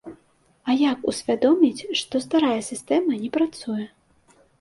А як усвядоміць, што старая сістэма не працуе?